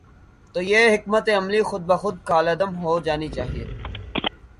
تو یہ حکمت عملی خود بخود کالعدم ہو جا نی چاہیے۔